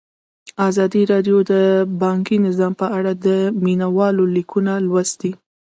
ازادي راډیو د بانکي نظام په اړه د مینه والو لیکونه لوستي.